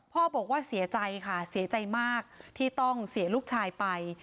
พ่อบอกว่าเสียใจค่ะเสียใจมากที่ต้องเสียลูกชายไป